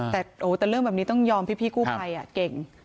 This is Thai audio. แต่เรื่องแบบนี้ต้องยอมพี่กู้ภัยเก่ง